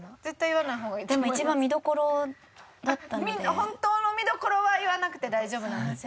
本当の見どころは言わなくて大丈夫なんですよ。